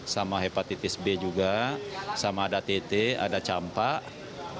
sama hepatitis b juga sama ada tt ada campak